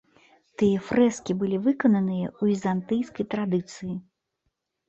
Тыя фрэскі былі выкананыя ў візантыйскай традыцыі.